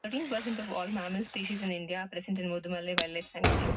Thirteen percent of all mammal species in India are present in Mudumalai wildlife sanctuary.